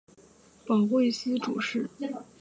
保惠司主事。